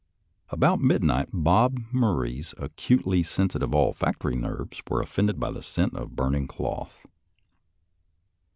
About midnight Bob Murray's acutely sensitive olfactory nerves were offended by the scent of burning cloth.